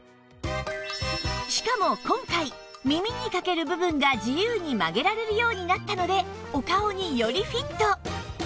しかも今回耳にかける部分が自由に曲げられるようになったのでお顔によりフィット！